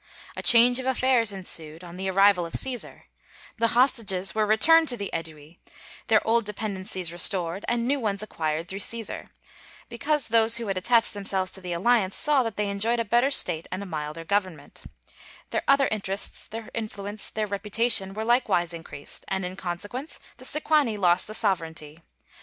A change of affairs ensued on the arrival of Cæsar: the hostages were returned to the Ædui, their old dependencies restored, and new ones acquired through Cæsar (because those who had attached themselves to their alliance saw that they enjoyed a better state and a milder government); their other interests, their influence, their reputation were likewise increased, and in consequence the Sequani lost the sovereignty.